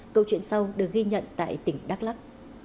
câu chuyện sau được ghi nhận tại tỉnh đắk lắc